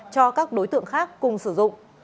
cho các đối tượng khác cùng sử dụng